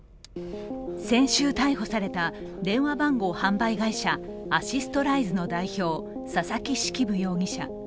先週逮捕された電話番号販売会社、アシストライズの代表、佐々木式部容疑者。